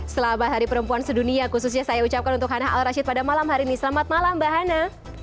selamat hari perempuan sedunia khususnya saya ucapkan untuk hana al rashid pada malam hari ini selamat malam mbak hana